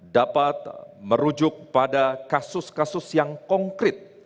dapat merujuk pada kasus kasus yang konkret